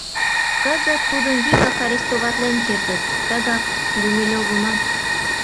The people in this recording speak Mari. Кызыт тудым вигак арестоватлен кертыт, тыгак — Румелёвымат.